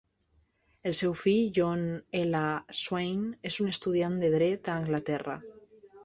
El seu fill John L. Swaine és un estudiant de dret a Anglaterra.